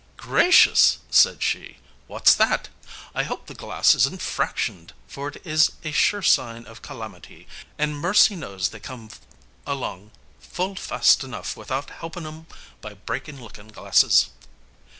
"Gracious!" said she; "what's that? I hope the glass isn't fractioned, for it is a sure sign of calamity, and mercy knows they come along full fast enough without helping 'em by breaking looking glasses."